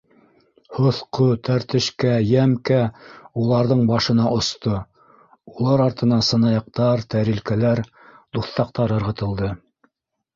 Һоҫҡо, тәртешкә, йәмкә уларҙың башына осто; улар артынан сынаяҡтар, тәрилкәләр, туҫтаҡтар ырғытылды.